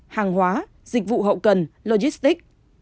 hàng hóa dịch vụ hậu cần logistic